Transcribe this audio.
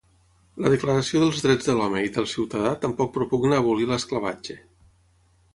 La Declaració dels Drets de l'Home i del Ciutadà tampoc propugna abolir l'esclavatge.